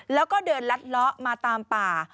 แล้วก็เดินลัดเลาะมาตามป่า